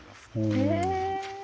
へえ。